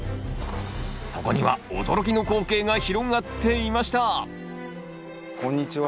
そこには驚きの光景が広がっていましたこんにちは。